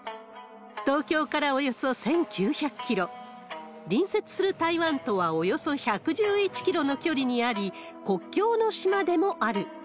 東京からおよそ１９００キロ、隣接する台湾とはおよそ１１１キロの距離にあり、国境の島でもある。